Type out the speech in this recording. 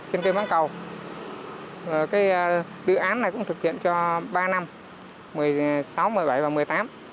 cây mãng cầu cái dự án này cũng thực hiện cho ba năm một mươi sáu một mươi bảy và một mươi tám